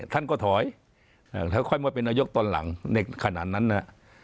ท่านก็ถอยมันก็ค่อยมาเป็นนัยยกตอนหลังในขณะนั้นน่ะ